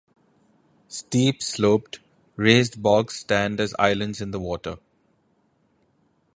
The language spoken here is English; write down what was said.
Steep-sloped, raised bogs stand as islands in the water.